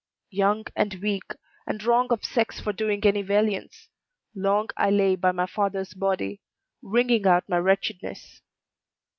Young and weak, and wrong of sex for doing any valiance, long I lay by my father's body, wringing out my wretchedness.